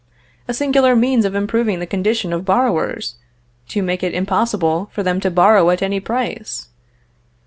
A singular means of improving the condition of borrowers, to make it impossible for them to borrow at any price!